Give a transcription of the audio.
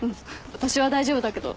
私は大丈夫だけど。